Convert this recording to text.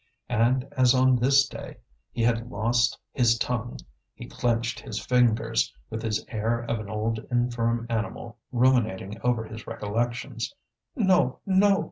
And as on this day he had lost his tongue, he clenched his fingers, with his air of an old infirm animal ruminating over his recollections. "No! no!"